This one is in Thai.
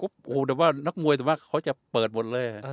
โอ้โหแต่ว่านักมวยแต่ว่าเขาจะเปิดหมดเลย